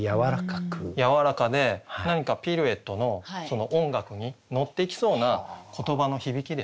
やわらかで何かピルエットのその音楽に乗っていきそうな言葉の響きですよね。